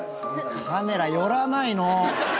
カメラ寄らないの！